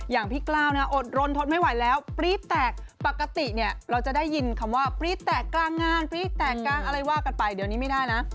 อย่างพี่กล้าวนะอดรนทนไม่ไหวแล้วปรี๊ดแตกปกติเนี่ยเราจะได้ยินคำว่าปรี๊ดแตกกลางงานปรี๊ดแตกกลางอะไรว่ากันไปเดี๋ยวนี้ไม่ได้นะ